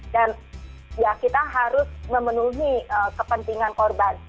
dan kita harus memenuhi kepentingan korban